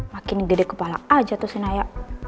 makin gede kepala aja tuh si naya